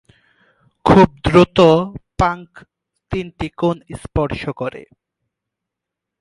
খুব দ্রুত পাংক তিনটি কোণ স্পর্শ করে।